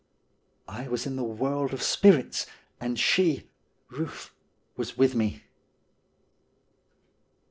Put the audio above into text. I was in the world of spirits and she (Euth) was with me.